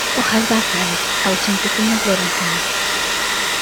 Hojas basales ausentes en la floración.